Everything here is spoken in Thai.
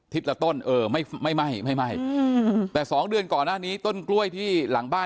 ละต้นเออไม่ไม่ไหม้ไม่ไหม้อืมแต่สองเดือนก่อนหน้านี้ต้นกล้วยที่หลังบ้าน